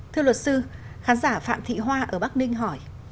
thưa luật sư khán giả phạm thị hoa ở bắc ninh hỏi